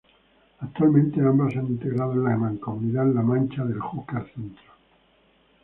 Actualmente ambas se han integrado en la mancomunidad La Mancha del Júcar-Centro.